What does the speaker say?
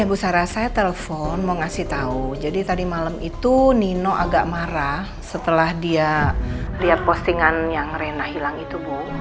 usara saya telpon mau ngasih tau jadi tadi malem itu nino agak marah setelah dia liat postingan yang reina hilang itu bu